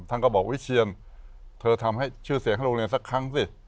ท่านก็บอกวิเชียนเธอทำให้ชื่อเสียงให้โรงเรียนสักครั้งสิ